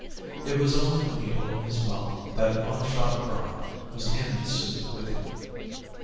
It was only when he opened his mouth that One Shot Braun was in the suit with him.